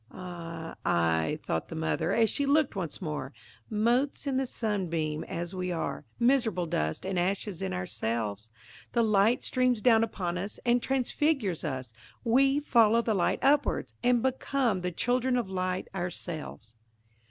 "Ay, ay," thought the mother, as she looked once more: "Motes in the sunbeam as we are–miserable dust and ashes in ourselves–the light streams down upon us and transfigures us: we follow the light upwards, and become the children of light ourselves."